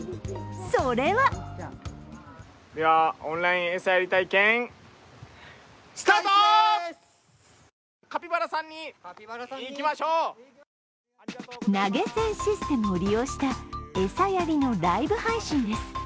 それは投げ銭システムを利用した餌やりのライブ配信です。